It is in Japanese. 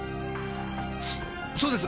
そそうです！